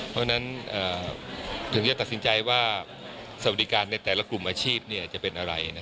เพราะฉะนั้นถึงจะตัดสินใจว่าสวัสดิการในแต่ละกลุ่มอาชีพจะเป็นอะไร